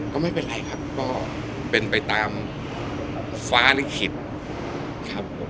ก็ไม่เป็นไรครับก็เป็นไปตามฟ้าหรือขิดครับผม